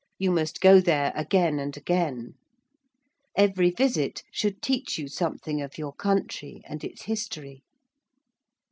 You must go there again and again. Every visit should teach you something of your country and its history.